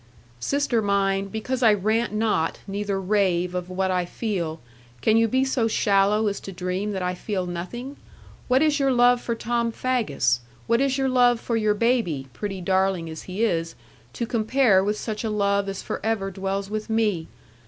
'Sister mine, because I rant not, neither rave of what I feel, can you be so shallow as to dream that I feel nothing? What is your love for Tom Faggus? What is your love for your baby (pretty darling as he is) to compare with such a love as for ever dwells with me?